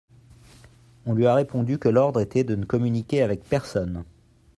On lui a répondu que l'ordre était de ne communiquer avec personne.